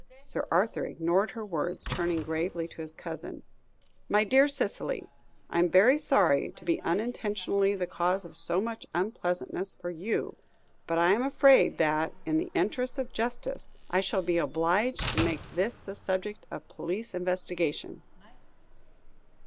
Sir Arthur ignored her words, turning gravely to his cousin. "My dear Cicely, I am very sorry to be unintentionally the cause of so much unpleasantness for you, but I am afraid that, in the interests of justice, I shall be obliged to make this the subject of police investigation."